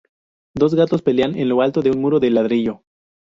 Dos gatos pelean en lo alto de un muro de ladrillo.